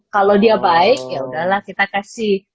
kalau dia baik ya udahlah kita kasih